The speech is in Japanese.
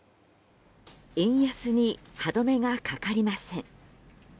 円安に歯止めがかかりません。